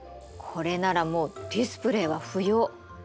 これならもうディスプレイは不要。